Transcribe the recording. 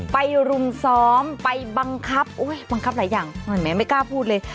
ไปรุมซ้อมไปบังคับบังคับหลายอย่างเห็นมั้ยไม่กล้าพูดเลย